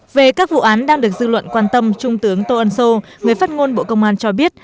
về các vụ án đang được dư luận quan tâm trung tướng tô ân sô người phát ngôn bộ công an cho biết